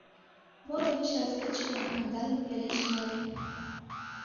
Моло вич разведчикым Кандалин пеленже нале.